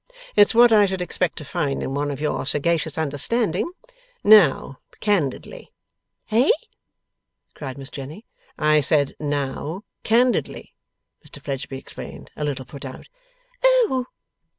It's what I should expect to find in one of your sagacious understanding. Now, candidly.' 'Eh?' cried Miss Jenny. 'I said, now candidly,' Mr Fledgeby explained, a little put out. 'Oh h!